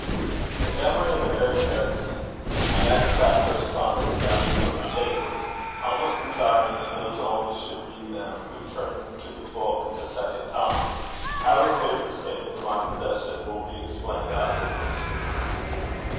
In memory of Eric Ericson, I add a chapter of sonnets gathered from his papers, almost desiring that those only should read them who turn to the book a second time. How his papers came into my possession, will be explained afterwards.